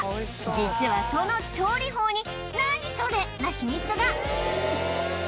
実はその調理法にナニソレな秘密が！